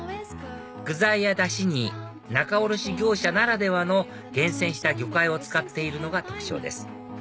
具材やダシに仲卸業者ならではの厳選した魚介を使っているのが特徴です